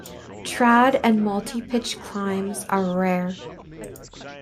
Trad and multipitch climbs are rare.